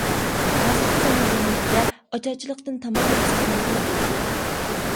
ھازىرقى زامان جەمئىيىتىدە، ئاچارچىلىقتىن تامامەن ساقلانغىلى بولىدۇ.